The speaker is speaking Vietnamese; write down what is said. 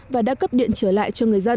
và đã cấp điện trở lại